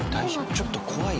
ちょっと怖い。